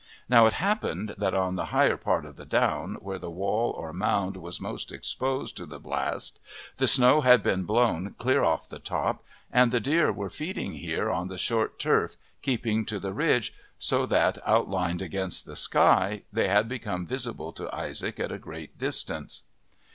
Now it happened that on the highest part of the down, where the wall or mound was most exposed to the blast, the snow had been blown clean off the top, and the deer were feeding here on the short turf, keeping to the ridge, so that, outlined against the sky, they had become visible to Isaac at a great distance.